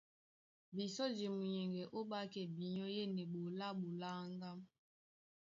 Bisɔ́ di e munyɛŋgɛ ó ɓákɛ binyɔ́ yên eɓoló á ɓoláŋgá.